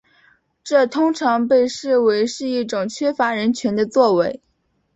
这通常被视为是一种缺乏人权的作为。